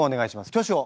挙手を。